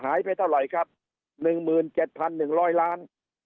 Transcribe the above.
หายไปเท่าไหร่ครับหนึ่งหมื่นเจ็ดพันหนึ่งร้อยล้าน